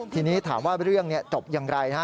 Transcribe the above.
ทีนี้ถามว่าเรื่องจบอย่างไร